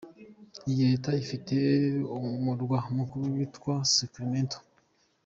Iyi Leta ifite umurwa mukuru witwa Sacramento.